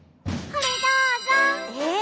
これどうぞ。えっ？